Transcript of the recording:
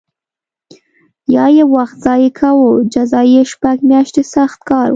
یا یې وخت ضایع کاوه جزا یې شپږ میاشتې سخت کار و